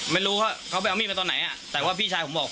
ไม่รู้ว่าเขาไปเอามีดไปตอนไหนอ่ะแต่ว่าพี่ชายผมบอก